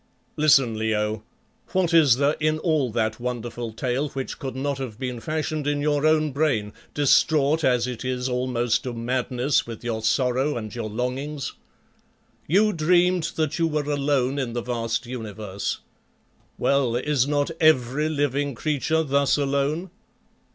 Listen, Leo. What is there in all that wonderful tale which could not have been fashioned in your own brain, distraught as it is almost to madness with your sorrow and your longings? You dreamed that you were alone in the vast universe. Well, is not every living creature thus alone?